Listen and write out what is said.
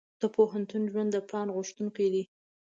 د پوهنتون ژوند د پلان غوښتونکی دی.